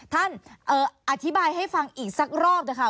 ท่านอธิบายให้ฟังอีกสักรอบเถอะค่ะ